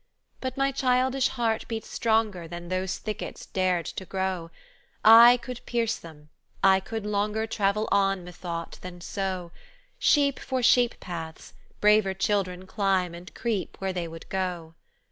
"But my childish heart beat stronger Than those thickets dared to grow: I could pierce them! I could longer Travel on, methought, than so. Sheep for sheep paths! braver children climb and creep where they would go.